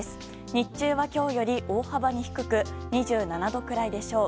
日中は今日より大幅に低く２７度くらいでしょう。